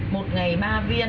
một ngày ba viên